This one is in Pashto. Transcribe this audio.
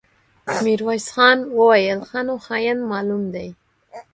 ميرويس خان وويل: ښه نو، خاين معلوم دی.